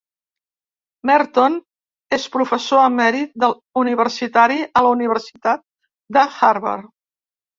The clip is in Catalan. Merton és professor emèrit universitari a la Universitat de Harvard.